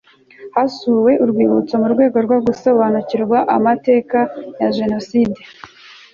hasuwe urwibutso mu rwego rwo gusobanukirwa amateka ya jenoside